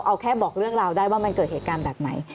เอาแค่บอกเรื่องราวได้ว่ามันเกิดเหตุการณ์แบบไหน